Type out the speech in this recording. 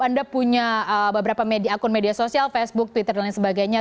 anda punya beberapa media akun media sosial facebook twitter dan lain sebagainya